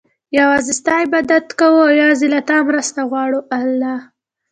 يوازي ستا عبادت كوو او يوازي له تا مرسته غواړو